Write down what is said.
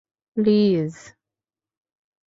Please.